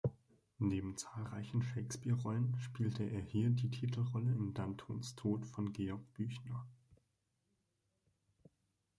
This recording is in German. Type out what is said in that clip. Neben zahlreichen Shakespeare-Rollen spielte er hier die Titelrolle in "Dantons Tod" von Georg Büchner.